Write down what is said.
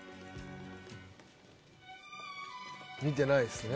見てないですね。